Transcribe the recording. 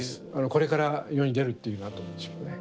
これから世に出るっていうようなとこでしょうね。